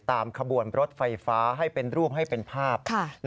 ตามขบวนรถไฟฟ้าให้เป็นรูปให้เป็นภาพ